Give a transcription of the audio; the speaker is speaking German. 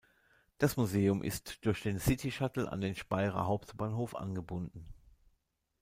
Das Museum ist durch den "City-Shuttle" an den Speyerer Hauptbahnhof angebunden.